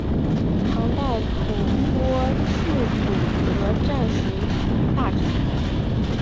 唐代吐蕃赤祖德赞时大臣。